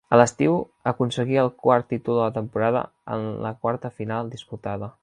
A l'estiu aconseguí el quart títol de la temporada en la quarta final disputada.